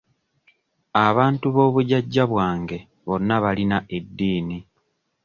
Abantu b'obujajja bwange bonna balina eddiini.